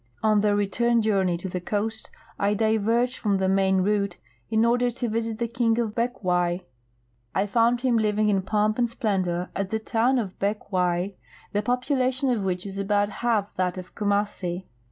On the return journey to the coast I diverged from the main route in order to visit the King of Beckwai. I found him living in pomp and splendor at the town of Beckwai, the population of which is about half that of Kumassi.